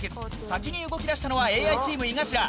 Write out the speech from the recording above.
先に動きだしたのはＡＩチーム井頭。